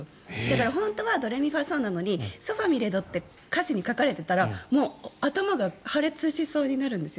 本当はドレミファソなのにソファミレドって歌詞に書かれていたらもう頭が破裂しそうになるんですよ。